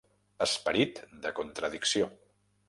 Esperit de contradicció.